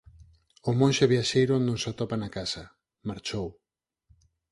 O monxe viaxeiro non se atopa na casa! Marchou!